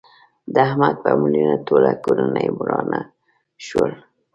د احمد په مړینه ټوله کورنۍ ورانه شوله.